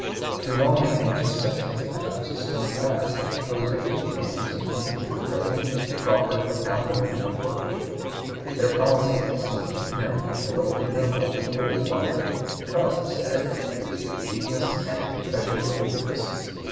Through long and anxious sessions Adams stood fast in opposing "the unanimous opinions" of the President, Crawford, Calhoun, and Wirt. Their policy seemed to him a little ignoble and wholly blundering, because, he said, "it is weakness and a confession of weakness.